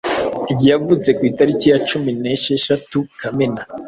yavutse ku itariki ya cumi nesheshatu Kamena